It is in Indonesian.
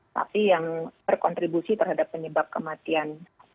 tapi yang berkontribusi terhadap penyebab kematian